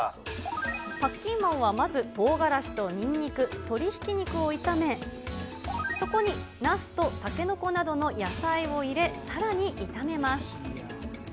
パッキーマオはまず、とうがらしとにんにく、鶏ひき肉を炒め、そこになすとたけのこなどの野菜を入れ、さらに炒めます。